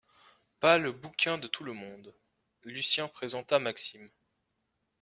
Pas le bouquin de tout le monde. Lucien présenta Maxime.